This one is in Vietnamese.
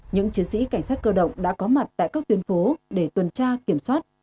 một mươi sáu những chiến sĩ cảnh sát cơ động đã có mặt tại các tuyến phố để tuần tra kiểm soát